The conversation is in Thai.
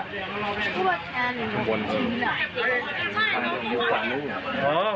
ประมาณขึ้นที่นาน